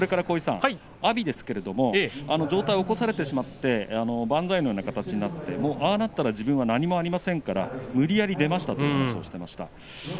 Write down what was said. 阿炎ですが上体を起こされてしまって万歳のような形になってああなったら自分は何もありませんから無理やり出ましたという話をしてました。